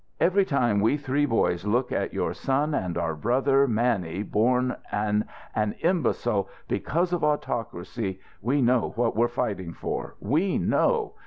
Every time we three boys look at your son and our brother Mannie, born an an imbecile because of autocracy, we know what we're fighting for. We know.